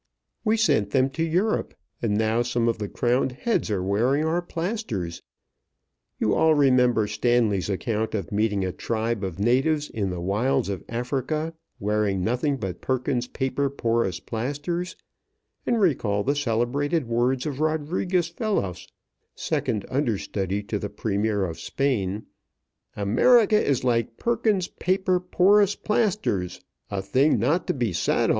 We sent a to Europe, and now some of the crowned heads are wearing our plasters. You all remember Stoneley's account of meeting a tribe of natives in the wilds of Africa wearing nothing but Perkins's Paper Porous Plasters, and recall the celebrated words of Rodriguez Velos, second understudy to the Premier of Spain, "America is like Perkins's Paper Porous Plasters a thing not to be sat on."